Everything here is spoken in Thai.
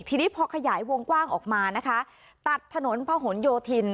ทีนี้พอขยายวงกว้างออกมานะคะตัดถนนพะหนโยธิน